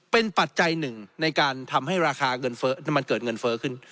เป็นปัจจัยหนึ่งในการทำให้ราคาเงินเฟ้อมันเกิดเงินเฟ้อขึ้น